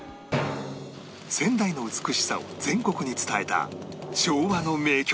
仙台の美しさを全国に伝えた昭和の名曲